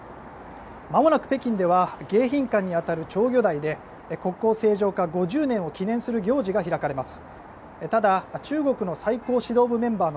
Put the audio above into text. まもなく北京では迎賓館に当たる釣魚台で国交正常化５０年を記念する行事が開かれます。